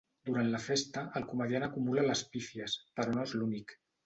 Durant la festa, el comediant acumula les pífies però no és l'únic.